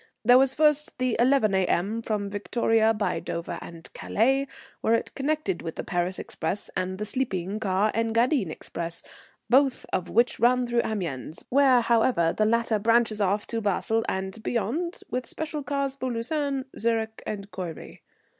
There was first the 11 A.M. from Victoria by Dover and Calais, where it connected with the Paris express and the sleeping car Engadine express, both of which run through Amiens, where, however, the latter branches off to Basle and beyond, with special cars for Lucerne, Zurich and Coire.